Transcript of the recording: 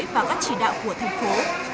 và các chỉ đạo của thành phố